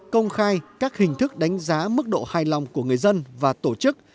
công khai các hình thức đánh giá mức độ hài lòng của người dân và tổ chức